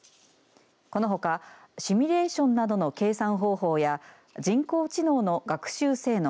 このほか、シミュレーションなどの計算方法や人工知能の学習性能